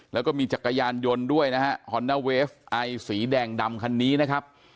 แล้วก็มีจักรยานยนต์ด้วยนะฮะฮอนด้าเวฟไอสีแดงดำคันนี้นะครับ